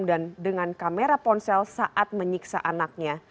dan dengan kamera ponsel saat menyiksa anaknya